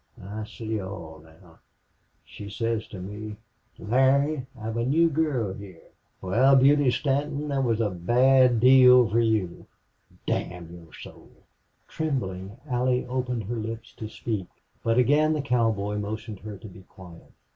I see all now.... She says to me, 'Larry, I've a new girl heah'.... Wal, Beauty Stanton, thet was a bad deal for you damn your soul!" Trembling, Allie opened her lips to speak, but again the cowboy motioned her to be quiet.